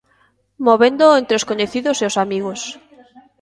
Movéndoo entre os coñecidos e os amigos.